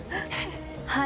はい。